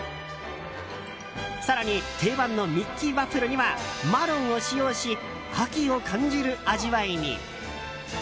更に定番のミッキーワッフルにはマロンを使用し秋を感じる味わいに。